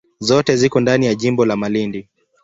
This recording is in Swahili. Zote ziko ndani ya jimbo la Malindi.